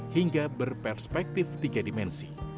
hingga berperspektif tiga dimensi